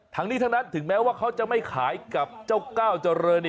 ทั้งนี้ทั้งนั้นถึงแม้ว่าเขาจะไม่ขายกับเจ้าก้าวเจริญ